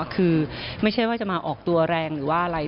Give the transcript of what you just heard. คือไม่ใช่ว่าจะมาออกตัวแรงหรือว่าอะไร